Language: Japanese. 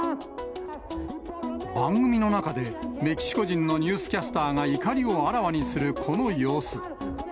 番組の中で、メキシコ人のニュースキャスターが怒りをあらわにするこの様子。